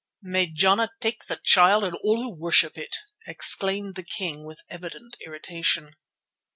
"May Jana take the Child and all who worship it," exclaimed the king with evident irritation.